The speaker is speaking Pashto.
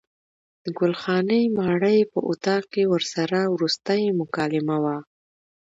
د ګل خانې ماڼۍ په اطاق کې ورسره وروستۍ مکالمه وه.